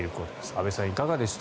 安部さん、いかがでした。